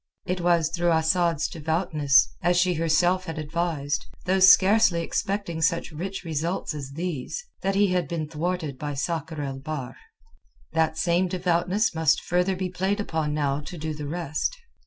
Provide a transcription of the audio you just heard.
It was through Asad's devoutness—as she herself had advised, though scarcely expecting such rich results as these—that he had been thwarted by Sakr el Bahr. That same devoutness must further be played upon now to do the rest.